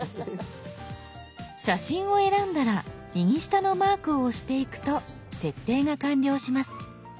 写真を選んだら右下のマークを押していくと設定が完了します。